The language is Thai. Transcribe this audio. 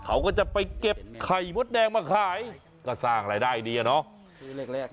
เขาก็จะไปเก็บไข่มดแดงมาขายก็สร้างรายได้ดีอะเนาะ